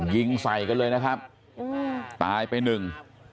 ยิงใส่กันเลยนะครับตายไปหนึ่ง